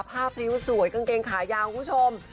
พริ้วสวยกางเกงขายาวคุณผู้ชม